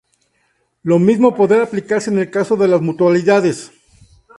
Lo mismo podrá aplicarse en el caso de las mutualidades.